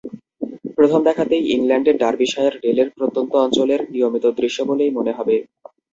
প্রথম দেখাতেই ইংল্যান্ডের ডার্বিশায়ার ডেলের প্রত্যন্ত অঞ্চলের নিয়মিত দৃশ্য বলেই মনে হবে।